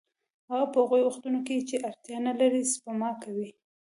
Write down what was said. هغه په هغو وختونو کې چې اړتیا نلري سپما کوي